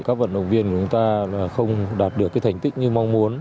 các vận động viên của chúng ta không đạt được cái thành tích như mong muốn